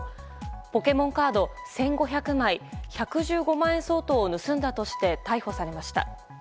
ポケモンカード１５００枚１１５万円相当を盗んだとして逮捕されました。